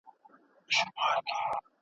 الله تعالی به خپلو بندګانو ته بښنه وکړي.